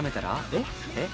えっ？えっ？